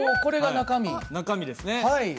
中身ですね。